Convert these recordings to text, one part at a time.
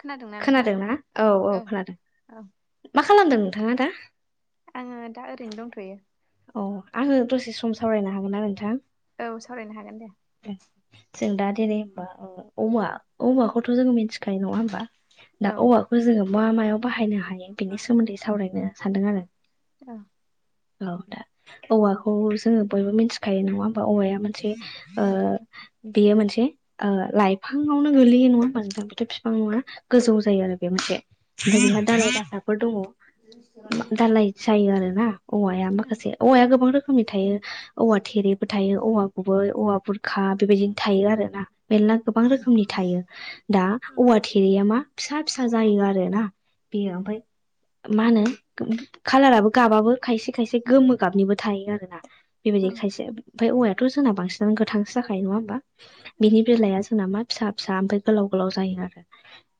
खोनादोंना नोंथां? खोनादों ना? औ औ खोनादों। औ मा खालामदों नोंथाङा दा? आंङो दा ओरैनो दंथ'यो। अ आंङो दसे सम सावरायनो हागोन ना नोंथां? औ सावरायनो हागोन दे। जों दा दिनै होनबा ओ औवा औवाखौथ' जोंङो मिथिखायो नङा होमबा? दा औ औवाखौ जोंङो मा मायाव बाहायनो हायो बेनि सोमोन्दै सावरायनो सानदों आरो। औ औ दा औवाखौ जोंङो बयबो मिथिखायो नङा होमबा औवाया मोनसे ओ बेयो मोनसे ओ लाइफांङावनो गोलैयो नङा होनबा नोंथा? बेथ' फिफां नङा गोजौ जायो आरो बे मोनसे। औ जेनबा दालाय दासाफोर दङो दालाय जायो आरो ना औवाया माखासे। औ औवाया गोबां रोखोमनि थायो औवा थेरेबो थायो औवा गुबै औवा बुरखा बेबायदिनो थायो आरो। मेलला गोबां रोखोमनि थायो दा औ औंधा थे थेरेया मा फिसा फिसा जायो आरो ना बे ओमफ्राय मा होनो खाालाराबो गाबाबो खायसे खायसे गोमो गाबनिबो थायो आरो ना। औ बेबायदि खायसे ओमफ्राय औवायाथ' जोंना बांसिन गोथांसो जाखायो नंङा होमबा बिनि बेलाया जोंना मा फिसा फिसा ओमफ्राय गोलाव गोलाव जायो आरो।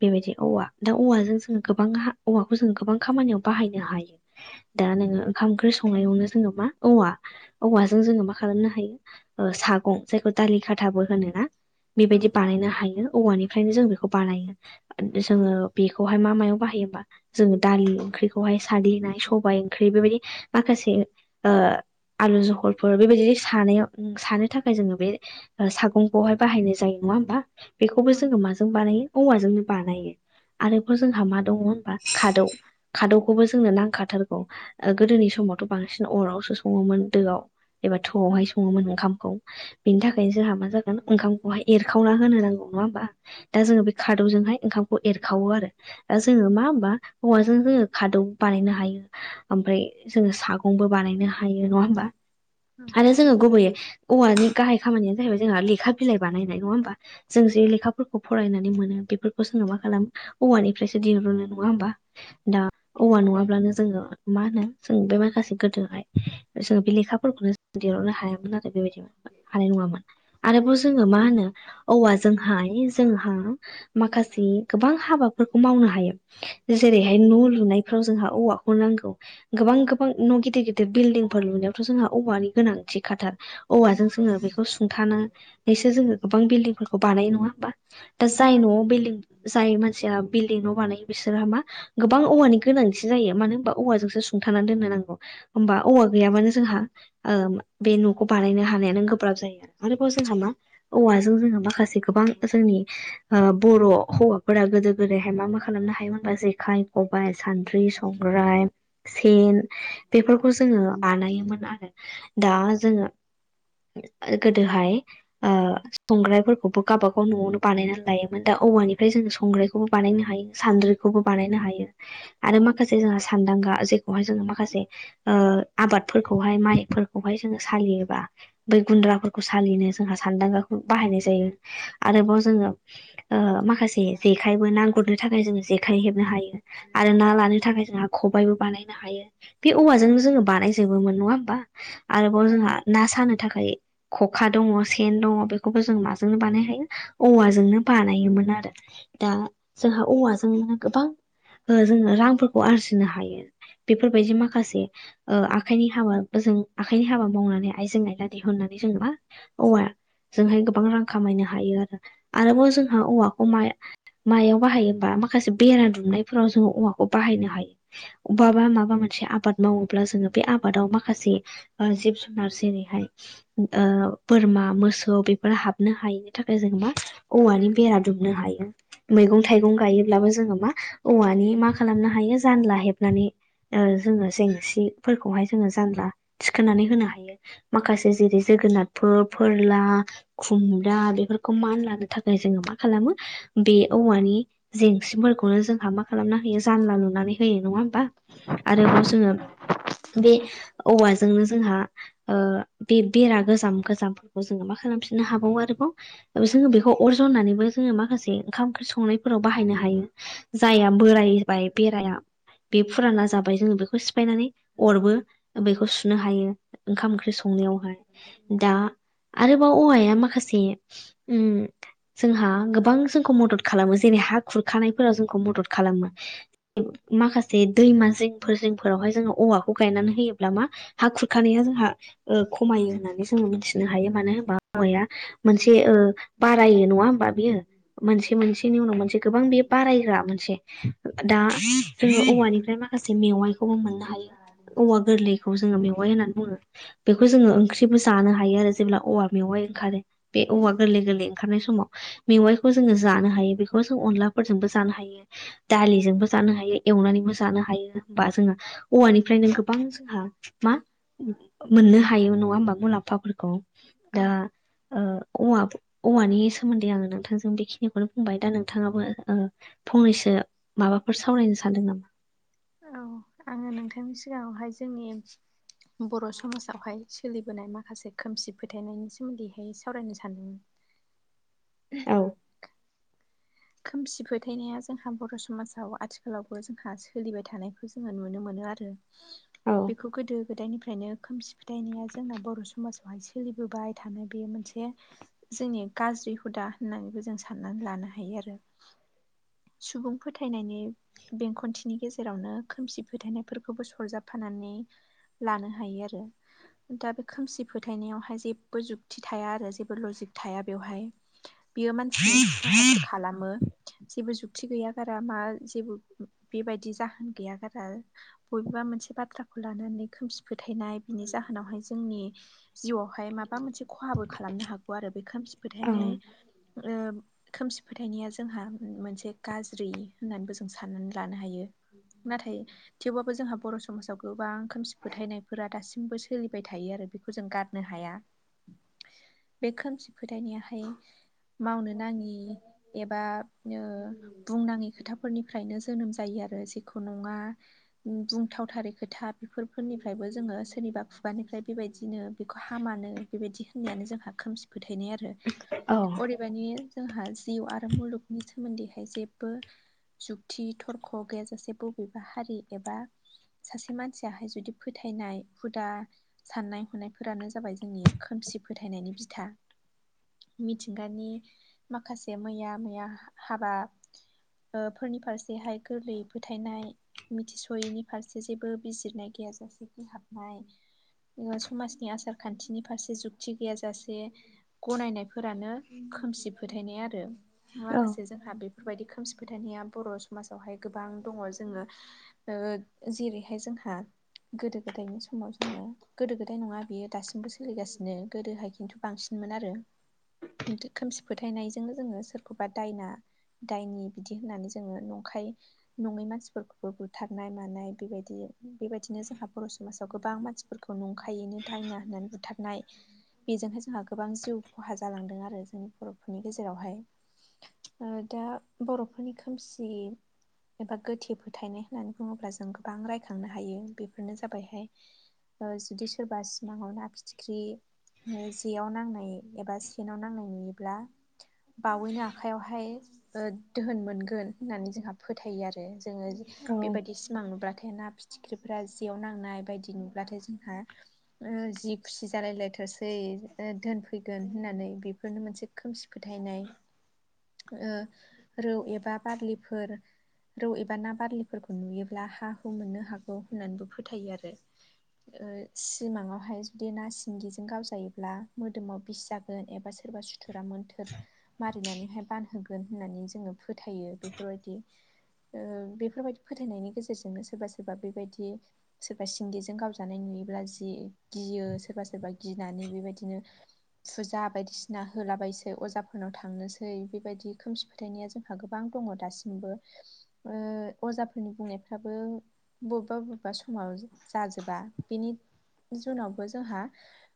बेबायदि औवा दा औवाजों जोंङो गोबां औवाखौ जोङो गोबां खामानियाव बाहायनो हायो। दा नोंङो ओंखाम ओंख्रि संनायावनो जोंङो मा औवा औवाजों जोंङो मा खालामनो हायो ओ सागं जायखौ दालि खाथाबो होनोना बेबायदि बानायनो हायो औवानिफ्रायनो जों बेखौ बानायो। जोंङो बेखौ बेहाय मायाव बाहायो होमबा जोंङो दालि ओंख्रिखौहाय सालिनाय सबाय ओंख्रि बेबायदि माखासे आलु जहलफोर बेबायदि सानायाव सानो थाखाय जोंङो बे सागंखौहाय बाहायनाय जायो नङा होमबा? बेखौबो जोङो माजों बानायो औवाजोंनो बानायो। आरो बेफोर जोंहा मा दङो होनबा खादौ। खादौखौबो जोंनो नांखाथारगौ गोदोनि समावथ' बांसिन अरावसो सङोमोन दोआव। एबा थौआवहाय। सङोमोन ओंखामखौ बेनि थाखाय जोंहा मा जागोन ओंखामखौहाय एरखावना होनो नांगौ नंङा होमबा। दा जोङो बे खादौजोंहाय ओंखामखौ एरखावो आरो। दा जोङो मा होनोमबा औवाजों जोङो खादौ बानायनो हायो। ओमफ्राय जोङो सागंबो बानायनो हायो नङा होमबा? आरो जोङो गुबैयै औवानि गाहाय खामानियानो जाहैबाय जोंहा लेखा लेखा बिलाइ बानायनाय नङा होमबा? जों जे लेखाफोरखौ फरायनानै मोनो बेफोर जोंङो मा खालाम औवानिफ्रायसो दिरुनो नङा होमबा? दा औवा नङाब्लानो जोङो मा होनो जों बे माखासे गोदोहाय जोङो बे लेखाफोरखौनो दिहुन्नो हायामोन आरो बेबायदि। [inaudible] नंङांमोन आरोबाव जोंङो मा होनो औवा हानि जोंहा माखासे गोबां हाबाफोरखौ मावनो हायो। जेरैहाय न' लुनायफ्राव जोंहा औवाखौ नांगौ। गोबां गोबां न' गिदिर गिदिर बिल्डिंफोर लुनायावथ' जोंहा औवानि गोनांथि खाथार औवाजों जोंङो बेखौ सुंथानो बेसोर जोंङो गोबां बिल्डिंफोरखौ बानायनाय नंङा होमबा? दा जाय न'आव बिल्डिं जाय मानसि बिल्डिं न' बानायो बिसोरहा मा गोबां औवानि गोनांथि जायो मानो होनबा औवाजोंसो सुंथानानै दोननो नांगौ। होमबा औवा गैयाबानो जोंहा ओ बे न'खौ बानायनो हानायानो गोब्राब जायो आरो आरोबाव जोंहा मा औवाजों जोंङो माखासे गोबां जोंनि ओ बर' हौवाफोरा गोदो गोदायहाय मा मा खालामनो हायोमोन बा जेखाइ, खबाइ, सानद्रि, संग्राय सेन बेफोरखौ जोङो बानायोमोन आरो। दा जोङो गोदोहाय ओ संग्रायफोरखौबो गावाबागाव न'आवनो बानायनानै लायोमोन दा औवानिफ्राय जोङो संग्राय खौबो बानायनो हायो सान्द्रिखौबो बानायनो हायो। आरो माखासे जोंहा सानदांगा जेखौहाय जोङो माखासे ओ आबादफोरखौहाय माइ फोरखौहाय जोङो सालियोबा बै गुन्द्राफोरखौ सालिनो जोंहा सान्दांगाखौ बाहायनाय जायो। आरोबाव जोङो ओ माखासे जेखायबो ना गुरनो थाखाय जोंङो जेखाइ हेबनो हायो आरो ना लानो थाखाय जोंहा खबबायबो बानायनो हायो बे औवाजोंनो जोङो बानायजोबोमोन नङा होमबा? आरोबाव जोंहा ना सानो थाखाय खखा दङ सेन दङ बेखौबो जों माजोंनो बानायखायो औवाजोंनो बानायोमोन आरो। दा जोंहा औवाजों गोबां जोङो रांफोरखौ आरजिनो हायो। बेफोरबायदि माखासे आखाइनि हाबा ओजों आखाइनि हाबा मावनानै आइजों आइना दिहुननानै जों मा औवा जोंहाय गोबां रां खामायनो हायो आरो आरोबाव जोंहा औवाखौ माइ मायाव बाहायोबा माखासे बेरा दुमनायफोराव जोङो औमाखौ बाहायनो हायो। अबबबा माबा मोनसे आबाद मावोब्ला जोङो बे आबादाव मा माखासे जिब जुनार जेरैहाय ओ बोरमा मोसौ बेफोर हाबनो हायिनि थाखाय जों मा औवानि बेरा दुमनो हायो। मैगं थाइगं गायोब्लाबो जोङो मा औवानि मा खालामनो हायो जानला हेबनानै ओ जोङो जेंसिफोरखौहाय जोङो जानला थिखोननानै होनो हायो। माखासे जेरै जोगोनारफोर फोरला खुमब्रा बेफोरखौ मान लानो थाखाय जोङो मा खालामो बे औवानि जेंसिफोरखौनो जोंहा मा खालामना होयो जानला लुनानै होयो नङा होमबा? आरोबाव जोङो बे जोंनो जोंहा बे बेरा गोजाम गोजामफोरखौ जोङो मा खालामफिननो हाबावो आरोबाव जोङो बेखौ अर जननानैबो जोङो माखासे ओंखाम ओंख्रि संनायफोराव बाहायनो हायो जाया बोराय बाय बेराया बे फुराना जाबाय जोङो बेखौ सिफायनानै अरबो खौ सुनो हायो ओंखाम ओंख्रि संनायावहाय। दा आरोबाव औवाया माखासे उम जोंहा गोबां जोंखौ मदद खालामो जेरै हा खुरखानायफोराव जोंखौ मदद खालामो। माखासे दैमा जिंफोर जिंफोरावहाय जोङो औवाखौ गायनानै होयोब्ला ब्ला मा हा खुरखानाया जोंहा ओ खमायो होननानै जोङो मिथिनो हायो मानो होनबा हवाया मोनसे ओ बारायो नङा होमबा बियो मोनसे मोनसेनि उनाव मोनसे गोबां बे बारायग्रा मोनसे दा जोङो औवानिफ्राय माखासे मेवाइखौबो मोना बारि गोरलैखौ जोङो मेवाइ होननानै बुङो। बेखौ जोङो ओंख्रिबो जानो हायो आरो जेब्ला औवा मेवाइ ओंखारो। बे औवा गोरलै गोरलै ओंखारनाय समाव मेवाइखौ जोङो जानो हायो बेखौ जों अनला फोरजोंबो जानो हायो। दालिजोंबो जानो हायो एवनानैबो जानो हायो बा जोङो औवानिफ्रायनो [unintelligible] गोबां जोंहा मा मोननो हायो नङा होमबा मुलाम्फाफोरखौ। औ दा ओ औवा औवानि सोमोन्दै आंङो नोंथांजों बे बेखौनो बुंबाय दा नोंथाङाबो ओ फंनैसो माबाफोर सावरायनो सानदों नामा? औ आंङो नोंथांनि सिगाङावहाय जोंनि बर' समाजावहाय सोलिबोनाय माखासे खोमसि फोथायनायनि सोमोन्दैहाय सावरायनो सानदोंमोन। औ। खोमसि फोथायनाया जोंहा बर' समाजाव आथिखालावबो जोंहा सोलिबाय थानायखौ जोङो नुनो मोनो आरो। औ बेखौ गोदो गोदायनिफ्राय फ्रायनो खोमसि फोथायनाया जोंना बर' समाजावहाय सोलिबोबाय थानाय बेयो मोनसे जोंनि गाज्रि हुदा होननानैबो जों साननानै लानो हायो आरो। सुबुं फोथायनायनि बेंखन्थिनि गेजेरावनो खोमसि फोथायनायफोरखौबो सरजाबफानानै लानो हायो आरो। दा बे खोमसि फोथायनायावहाय जेबो जुगतथि थाया आरो जेबो लजिक थाया बेवहाय। [inaudible] बियो मानसिनि खहासो खालामो जेबो जुक्त गैया बारा मा जेबो बेबायदि जाहोन गैया गारा बबेबा मोनसे बाथ्राखौ लानानै खोमसि फोथायनाय बिनि जाहोनावहाय जोंनि जिउआवहाय माबा मोनसे खहाबो खालामनो हागौ आरो बे खोमसि औ फोथायनाय ओ खोमसि फोथायनाया जोंहा मोनसे गाज्रि होननानैबो जों साननानै लानो हायो नाथाय थेवबाबो जोंहा बर' समाजाव गोबां खोमसि फोथायनायफोरा दासिमबो सोलिबाय थायो आरो। बेखौ जों गारनो हाया। बे खोमसि फोथायनायाहाय मावनो नाङि एबा बुंनाङै खोथाफोरनिफ्रायनो जोनोम जायो आरो जेखौ नङा बुंथावथारै खोथा बेफोरफोरनिफ्रायबो जोङो सोरनिबा खुगानिफ्राय बेबायदिनो बेखौ हामानो बेबायदि होननायानो जोंहा खोमसि फोथायनाय आरो औ अदेबानि जोंहा जिउ आरो मुलुगनि सोमोन्दैहाय जेबो जुक्ति थरख' गैयाजासे बबेबा हारि एबा सासे मानसियाहाय जुदि फोथायनाय हुदा साननाय हनायफोरानो जाबाय जोंनि खोमसि फोथायनायनि बिथा। मिथिंगानि माखासे मैया मैया हाबा फोरनि फारसेहाय गोरलैयै फोथायनाय। मिथिस'यैनि फारसे जेबो बिजिरनाय गैयाजासेखि हाबनाय समाजनि आसार खान्थिनि फारसे जुक्ति गैयाजासे गनायनायफोरानो खोमसि फोथायनाय आरो औ माखासे जों हा बेफोरबायदि खोमसि फोथायनायया बर' समाजावहाय गोबां दङ जोङो ओ जेरैहाय जोंहा गोदो गोदायनि समाव जोङो गोदो गोदाय नङा बियो दासिमबो सोलिगासिनो गोदोहाय खिन्थु बांसिन मोन आरो खोमसि फोथायनायजोंनो जोङो सोरखौबा दायना दायनि बिदि होननानै जोङो नंखाय नङै मानसिफोरखौबो बुथारनाय मानाय बेबायदि बेबायदिनो जोंहा बर' समाजाव गोबां मानसिफोरखौ खौ नंखायैनो दायना होननानै बुथारनाय बेजोंहाय जोंहा गोबां जिउ खहा जालांदों आरो जोंनि बर'फोरनि गेजेरावहाय। ओ दा बर'फोरनि खोमसि एबा गोथे फोथायनाय होननानै बुङोब्ला जों गोबां रायखांनो हायो बेफोरनो जाबायहाय [inaudible] ओ जुदि सोरबा सिमाङाव ना फिथि ख्रि ओ जेयाव नांनाय एबा सेनाव नांनाय नुयोब्ला बावैनो आखाइयावहाय ओ दोहोन मोनगोन होननानै जोंहा फोथायो आरो। जे जोङो औ बेबायदि सिमां नुब्लाथाय ना फिथिख्रिफोरा जेयाव नांनाय बायदि नुब्लाथाय जोंहा ओ जि खुसि जालायलायथारसै ओ धोन फैगोन होननानै बिफोरनो मोनसे खोमसि फोथायनाय ओ रौ एबा बारलिफोर रौ एबा ना बारलिफोरखौ नुयोब्ला हा हु मोननो हागौ होननानैबो फोथायो आरो। ओ सिमाङावहाय जुदि ना सिंगिजों गावजायोब्ला मोदोमाव बिस जागोन एबा सोरबा सु फोरा मोन्थोर मारिनानैहाय बानहोगोन होननानै जोङो फोथायो बेफोरबायदि ओ बेफोरबायदि फोथायनायनि गेजेरजोंनो सोरबा सोरबा बेबायदि सोरबा सिंगिजों गावजानाय नुयोब्ला जि गियो सोरबा सोरबा गिनानै बेबायदिनो फुजा बायदिसिना होलाबायसै अजाफोरनाव थांनोसै बेबायदि खोमसि फोथायनाया जोंहा गोबां दङ दासिमबो। ओ अजाफोरनि बुंनायफ्राबो बबबा बबबा समाव जा-जाजोबा बेनि जुनावबो जोंहा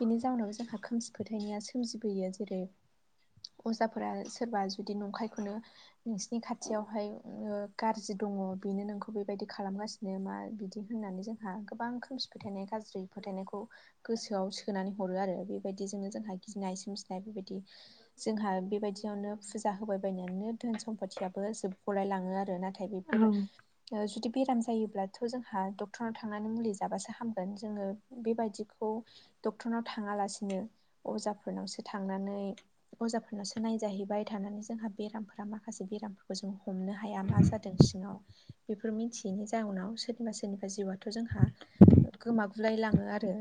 बेनि जाउनाव जोंहा खोमसि फोथायनाया सोमजिबोयो जेरै अजाफोरा सोरबा जुदि नंखायखौनो नोंसिनि खाथियावहाय ओ गारजि दङ बेनो नोंखौ बेबायदि खालामगासि नो मा बिदि होननानै जोंहा गोबां खोमसि फोथायनाय गाज्रि फोथायनायखौ गोसोआव सोनानै हरो आरो बेबायदिजोंनो जोंहा गिनाय सोमजिनाय बेबायदि जोंहा बेबायदियावनो फुजा होबायबायायनानै धोन सम्फाथियाबो जोबगलाय लाङो आरो नाथाय थाय औ बेफोरो ओ जुदि बेराम जायोब्लाथ' जोंहा डक्टरनाव थांनानै मुलि जाबासो हामगोन जोङो बेबायदिखौ डक्टरनाव थाङालासिनो अजाफोरनावसो थांनानै अजाफोरनासो नायजाहैबाय थानानै जोंहा बेरामफोरा माखासे बेरामफोरखौ जों हमनो हाया मा जा जादों सिङाव बेफोर मिथियैनि जाउनाव सोरनिबा सोरनिबा जिउआथ' जोंहा गोमागुलाय लाङो आरो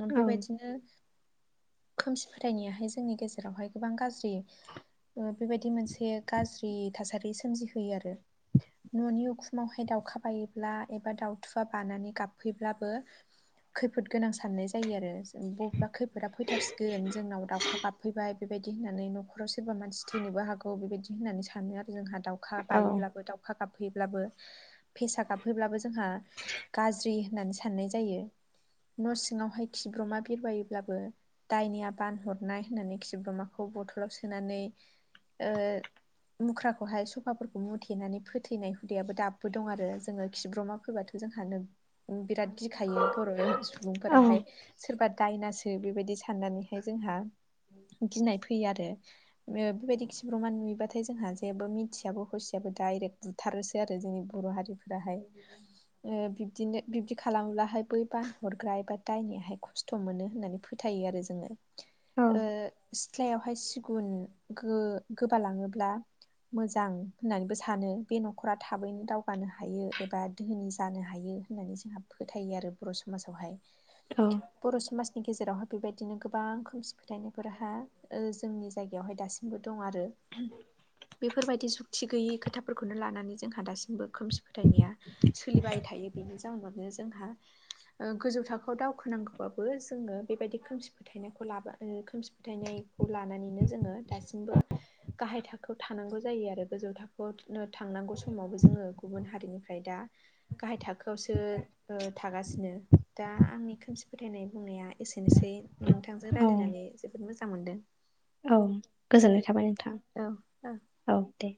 उम बेबायदिनो खोमसि थायनायाहाय जोंनि गेजेरावहाय गोबां गाज्रि ओ बेबायदि मोनसे गाज्रि थासारि सोमजिहोयो आरो। न'नि उखुमावहाय दाउखा बायोब्ला एबा दाउथुआ बानानै गाबफैब्लाबो खैफोद गोनां साननाय जायो आरो जों बबेबा खैफोदा फैथारसिगोन खा गाबफैबाय बेबायदि होननानै न'खराव सोरबा मानसि थैनोबो हागौ बेबायदि होननानै सानो आरो जोंहा दाउ खा बायोब्लाबो दाउखा गाबफैब्लाबो फेसा गाबफैब्लाबो जोंहा गाज्रि होननानै साननाय जायो। न' सिङावहाय खिब्रमा बिरबायोब्लाबो दायनिया बानहरनाय होननानै खिब्रमाखौ बथलाव सोनानै ओ मुख्राखौहाय सफाफोरखौ मुथेनानै फोथैनाय हुदायाबो दाबो दं आरो जोङो खिब्रमा फैबाथा जोंहानो उम बिराद गिखायो बर' औ सुबुंफोराहाय सोरबा दायनासो बेबायदि साननानै नै जोंहा गिनाय फैयो आरो। ओ बेबायदि खिब्रमान नुयोबाथाय जोंहा जेबो मिथियाबो हसियाबो डाइरेक्ट थारोसो आरो जोंनि बर' हारिफोराहाय ओ बिब्दिनो बिब्दि खालामोब्लाहाय बै बानहरग्रा एबा दायनियाहाय खस्थ' थ'' मोनो होननानै फोथायो आरो जोङो। औ सिथ्लायावहाय सिगुन गो गोबालाङोब्ला मोजां होननानैबो सानो बे न'खरा थाबैनो दावगानो हायो एबा ोनि जानो हायो होननानै जोंहा फोथायो आरो बर' समाजावहाय औ बर' समाजनि गेजेरावहााय बेबायदिनो गोबां गोबां खौमसि फोथायनायफोरहा जोंनि जायगायावहाय दासिमबो दं आरो बेफोरबायदि जुक्ति गैयि खोथाफोरखौनो लानानै जोंहा दासिमबो खोमसि फोथायनाया सोलिबाय थायो बेनि जाउनावनो जोंहा गोजौ थाखोआव दावखोनांगौबाबो जोङो बेबायदि खोमसि फोथायनायखौ लाबा खोमसि फोथायनायखौ लानानैनो जोङो दासिमबो गाहाय थाखोआव थानांगौ जायो आरो गोजौ थाखोआव थांनांगौ समावबो जोङो गुबुन हारिनिफ्राय दा गाहाय थाखोआवसो थागासिनो दा आंनि खोमसि फोथायनाय बुंनाया एसेनोसै नोंथांजों रायज्लायनानै जोबोद मोजां मोनदों औ गोजोननाय थाबाय नोंथां औ दे